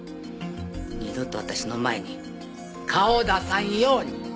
二度と私の前に顔を出さんように。